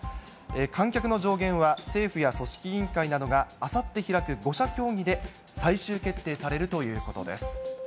観客の上限は政府や組織委員会などがあさって開く５者協議で最終決定されるということです。